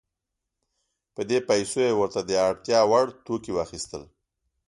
په دې پیسو یې ورته د اړتیا وړ توکي واخیستل.